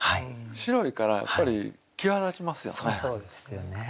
白いからやっぱり際立ちますよね。